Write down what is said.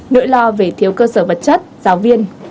nỗi lo về thiếu cơ sở vật chất giáo viên